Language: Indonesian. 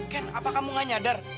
ken apa kamu gak nyadar